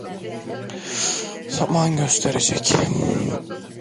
Zaman gösterecek…